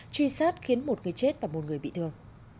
truy sát khiến một người chết và một người bị thương